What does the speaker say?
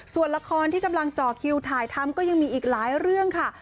ส่วนละครที่กำลังเจาะคิวถ่ายทำก็ยังมีอีกหลายเรื่องค่ะ